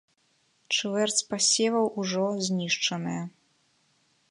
Чвэрць пасеваў ужо знішчаная.